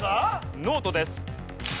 ノートです。